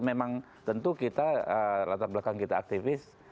memang tentu kita latar belakang kita aktivis